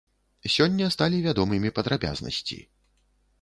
Сёння сталі вядомымі падрабязнасці.